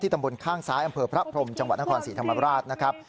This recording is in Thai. ที่ตำบลข้างซ้ายอำเภอพระพรมจังหวัดนคร๔ธรรมดร